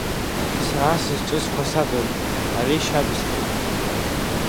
Сара сызҿыз қәасабын, ари шьабысҭоуп!